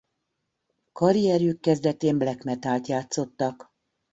Karrierjük kezdetén black metalt játszottak.